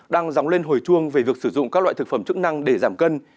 đang dóng lên hồi chuông về việc sử dụng các loại thực phẩm chức năng để giảm cân